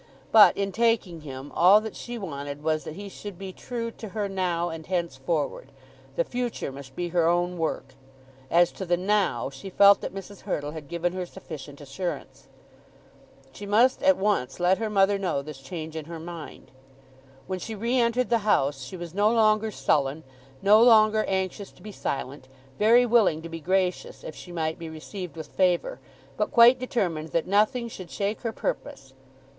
But in taking him, all that she wanted was that he should be true to her now and henceforward. The future must be her own work. As to the "now," she felt that Mrs. Hurtle had given her sufficient assurance. She must at once let her mother know this change in her mind. When she re entered the house she was no longer sullen, no longer anxious to be silent, very willing to be gracious if she might be received with favour, but quite determined that nothing should shake her purpose.